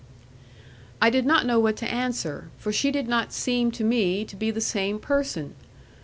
I did not know what to answer, for she did not seem to me to be the same person.